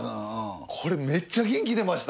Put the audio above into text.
これめっちゃ元気出ました。